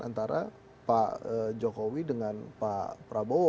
antara pak jokowi dengan pak prabowo